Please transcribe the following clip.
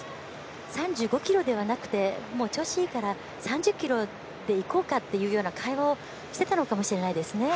３５ｋｍではなくて調子がいいから３０ｋｍでいこうかという会話をしていたのかもしれませんね。